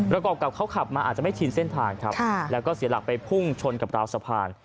กรอบกับเขาขับมาอาจจะไม่ชินเส้นทางครับแล้วก็เสียหลักไปพุ่งชนกับราวสะพาน